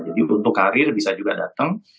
jadi untuk karir bisa juga datang